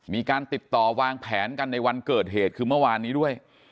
มีการติดต่อวางแผนกันในวันเกิดเหตุคือเมื่อวานนี้ด้วย